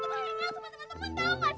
tumpahin yang sama temen temen tau gak sih